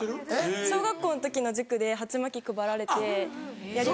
小学校の時の塾で鉢巻き配られてやりました。